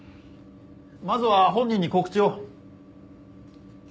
まずは本人に告知を。